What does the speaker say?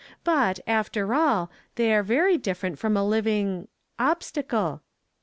But after all, they are very different from a living obstacle."